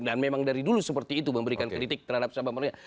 dan memang dari dulu seperti itu memberikan kritik terhadap siapa siapa